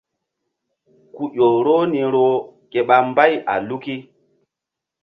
Ku ƴo roh ni roh ke ɓa mbay a luki.